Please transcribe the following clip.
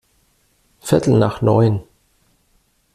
Viertel nach neun.